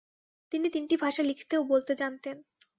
তিনি তিনটি ভাষা লিখতে ও বলতে জানতেন।